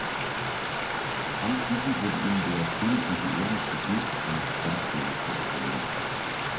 Anschließend wurde ihm der königliche Ehrentitel eines “Staatsministers” verliehen.